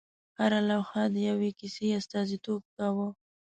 هره لوحه د یوې کیسې استازیتوب کاوه.